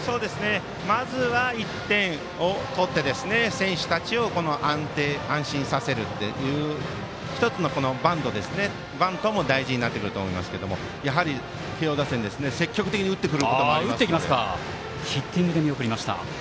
まずは１点を取って選手たちを安心させるという１つのバントも大事になってくると思いますけどやはり慶応打線、積極的に打ってくることもあります。